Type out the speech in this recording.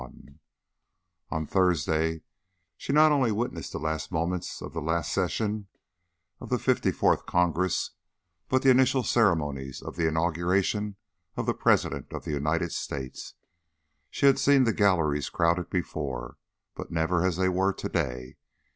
XXI On Thursday she not only witnessed the last moments of the last session of the Fifty fourth Congress, but the initial ceremonies of the inauguration of a President of the United States. She had seen the galleries crowded before, but never as they were to day.